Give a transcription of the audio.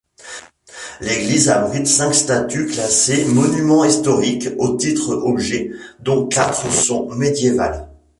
L'église abrite cinq statues classées monuments historiques au titre objet, dont quatre sont médiévales.